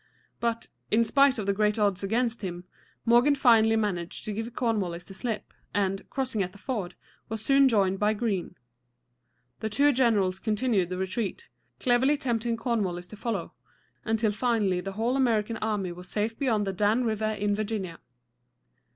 But, in spite of the great odds against him, Morgan finally managed to give Cornwallis the slip, and, crossing at the ford, was soon joined by Greene. The two generals continued the retreat, cleverly tempting Cornwallis to follow, until finally the whole American army was safe beyond the Dan River in Virginia.